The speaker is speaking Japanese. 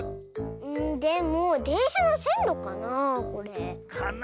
んでもでんしゃのせんろかなこれ？かな。